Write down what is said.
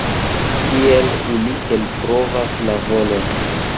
Tiel ili elprovas la volon.